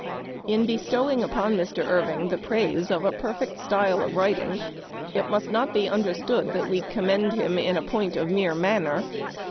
..." In bestowing upon Mr. Irving the praise of a perfect style of writing it must not be under stood that we commend him in a point of mere manner.